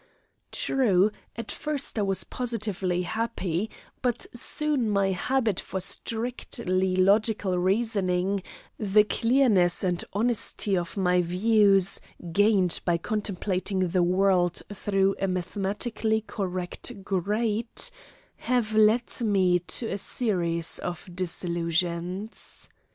True, at first I was positively happy, but soon my habit for strictly logical reasoning, the clearness and honesty of my views, gained by contemplating the world through a mathematically correct grate, have led me to a series of disillusions.